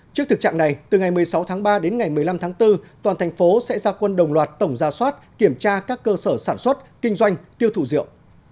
trước thực trạng này từ ngày một mươi sáu tháng ba đến ngày một mươi năm tháng bốn toàn thành phố sẽ ra quân đồng loạt tổng ra soát kiểm tra các cơ sở sản xuất kinh doanh tiêu thụ rượu